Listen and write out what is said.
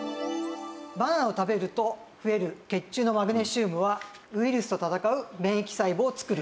バナナを食べると増える血中のマグネシウムはウイルスと戦う免疫細胞を作る。